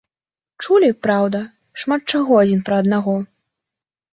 Чулі, праўда, шмат чаго адзін пра аднаго.